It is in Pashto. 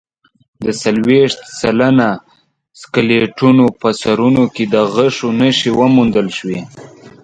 د څلوېښت سلنه سکلیټونو په سرونو کې د غشو نښې وموندل شوې.